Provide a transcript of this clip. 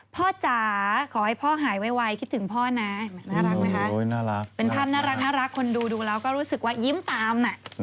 จ๋าขอให้พ่อหายไวคิดถึงพ่อนะน่ารักไหมคะน่ารักเป็นภาพน่ารักคนดูดูแล้วก็รู้สึกว่ายิ้มตาม